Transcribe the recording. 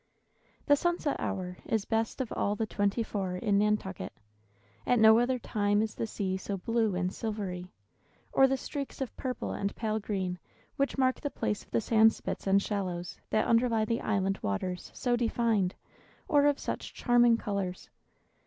The sunset hour is best of all the twenty four in Nantucket. At no other time is the sea so blue and silvery, or the streaks of purple and pale green which mark the place of the sand spits and shallows that underlie the island waters so defined, or of such charming colors.